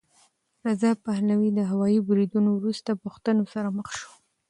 رضا پهلوي د هوايي بریدونو وروسته پوښتنو سره مخ شو.